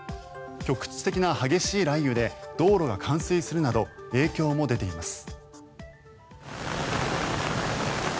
局地的な激しい雷雨で道路が冠水するなど影響も出ています。